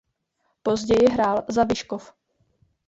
Později hrál za Vyškov.